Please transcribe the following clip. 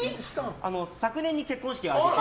昨年、結婚式を挙げて。